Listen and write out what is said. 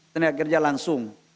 tenaga kerja langsung